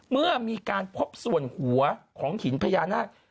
เมื่อมีการพบส่วนหัวของหินพญานาค